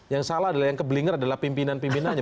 yang salah adalah yang keblinger adalah pimpinan pimpinannya